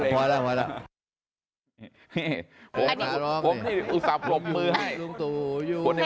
ข้าร้องผมอุ้ยสาบปรบมือให้